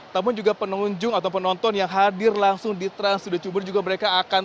namun juga pengunjung atau penonton yang hadir langsung di trans studio cibubur juga mereka akan